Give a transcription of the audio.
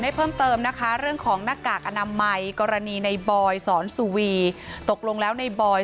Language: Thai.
เพิ่มเติมนะคะเรื่องของหน้ากากอนามัยกรณีในบอยสอนสุวีตกลงแล้วในบอย